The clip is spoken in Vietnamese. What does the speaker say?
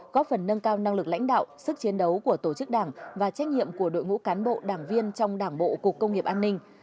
góp phần nâng cao năng lực lãnh đạo sức chiến đấu của tổ chức đảng và trách nhiệm của đội ngũ cán bộ đảng viên trong đảng bộ cục công nghiệp an ninh